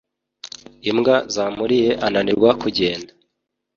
Imbwa zamuriye ananirwa kugenda